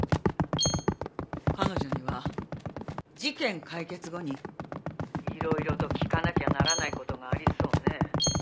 彼女には事件解決後にいろいろと聞かなきゃならない事がありそうね。